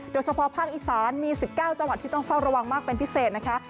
โดยเฉพาะภาคอีสานมี๑๙จังหวัดที่ต้องเฝ้าระวังมากเป็นพิเศษนะคะ